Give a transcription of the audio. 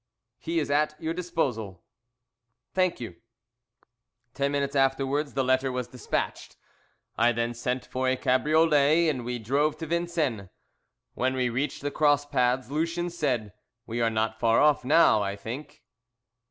"He is at your disposal." "Thank you." Ten minutes afterwards the letter was despatched. I then sent for a cabriolet and we drove to Vincennes. When we reached the cross paths Lucien said, "We are not far off now, I think."